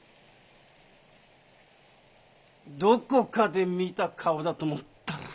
どこかで見た顔だと思ったら。